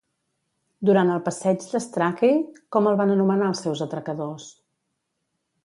Durant el passeig de Strachey, com el van anomenar els seus atracadors?